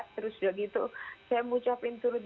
terus sudah gitu saya mau capilin turut